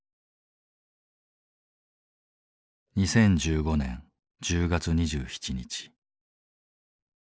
２０１５年１０月２７日。